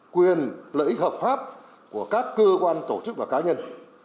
quyền lợi ích hợp pháp của các cơ quan tổ chức và cá nhân